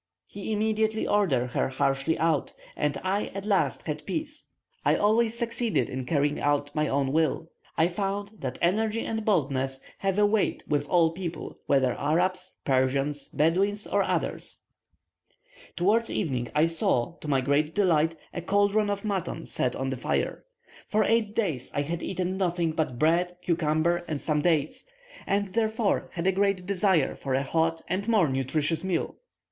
He immediately ordered her harshly out, and I at last had peace. I always succeeded in carrying out my own will. I found that energy and boldness have a weight with all people, whether Arabs, Persians, Bedouins, or others. Towards evening I saw, to my great delight, a cauldron of mutton set on the fire. For eight days I had eaten nothing but bread, cucumber, and some dates; and, therefore, had a great desire for a hot and more nutritious meal.